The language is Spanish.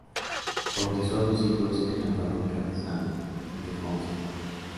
Bautizó a sus hijos en la Parroquia de San Ildefonso.